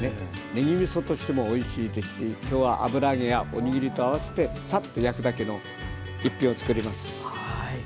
ねぎみそとしてもおいしいですし今日は油揚げやおにぎりと合わせてサッと焼くだけの一品を作ります。